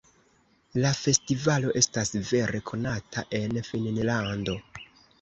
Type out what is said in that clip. La festivalo estas vere konata en Finnlando.